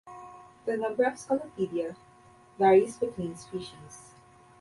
The number of scolopidia varies between species.